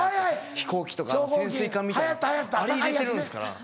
飛行機とか潜水艦みたいなあれ入れてるんですから。